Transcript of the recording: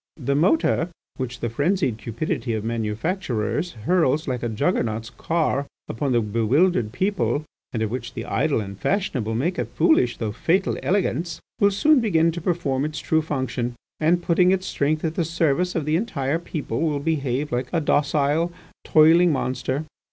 The motor, which the frenzied cupidity of manufacturers hurls like a juggernaut's car upon the bewildered people and of which the idle and fashionable make a foolish though fatal elegance, will soon begin to perform its true function, and putting its strength at the service of the entire people, will behave like a docile, toiling monster.